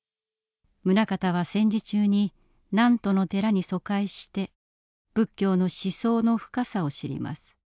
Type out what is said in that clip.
棟方は戦時中に南砺の寺に疎開して仏教の思想の深さを知ります。